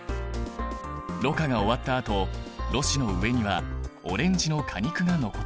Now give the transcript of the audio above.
ろ過が終わったあとろ紙の上にはオレンジの果肉が残った。